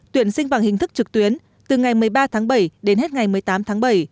tuyển sinh bằng hình thức trực tuyến từ ngày một mươi ba tháng bảy đến hết ngày một mươi tám tháng bảy